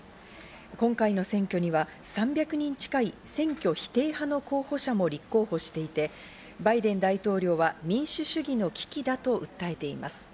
今回の選挙には３００人近い選挙否定派の候補者も立候補していて、バイデン大統領は民主主義の危機だと訴えています。